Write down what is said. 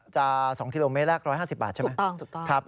๒กิโลเมตรแรก๑๕๐บาทใช่ไหมถูกต้องครับ